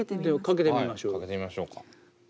ではかけてみましょう。